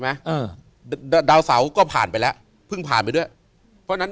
เออดาวเสาก็ผ่านไปแล้วเพิ่งผ่านไปด้วยเพราะฉะนั้น